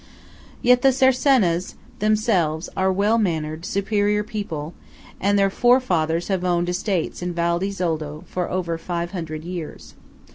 Yet the Cercenas themselves are well mannered superior people, and their forefathers have owned estates in Val di Zoldo for over five hundred years.